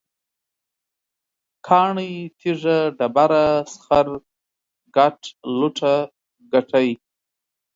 کاڼی، تیږه، ډبره، سخر، ګټ، لوټه، ګټی